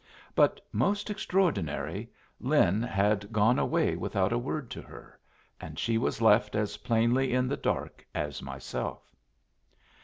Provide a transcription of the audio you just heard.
But, most extraordinary, Lin had gone away without a word to her, and she was left as plainly in the dark as myself.